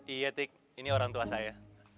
iya tik ini orang tua saya